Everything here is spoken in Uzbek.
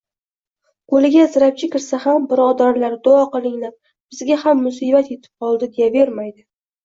Qo‘liga zirapcha kirsa ham "birodarlar duo qilinglar, bizga ham musibat yetib qoldi " deyavermaydi